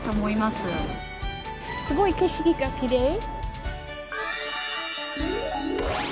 すごい景色がきれい。